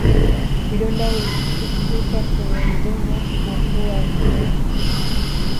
Vidonda huzuka kwenye mdomo na pua ya mnyama